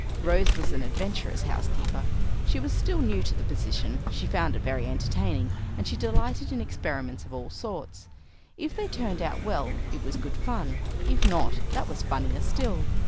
Rose was an adventurous housekeeper. She was still new to the position, she found it very entertaining, and she delighted in experiments of all sorts. If they turned out well, it was good fun; if not, that was funnier still!